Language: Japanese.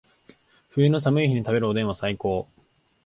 冬の寒い日に食べるおでんは最高